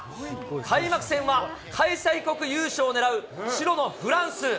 開幕戦は、開催国優勝を狙う白のフランス。